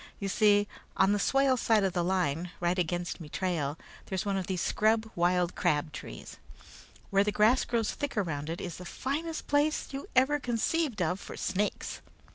You see, on the swale side of the line, right against me trail, there's one of these scrub wild crabtrees. Where the grass grows thick around it, is the finest place you ever conceived of for snakes.